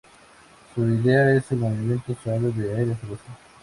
Su ideal es el movimiento suave de aire fresco.